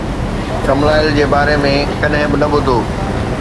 ڪملاٿل جي باري ۾ ڪڏهن به نه ٻڌو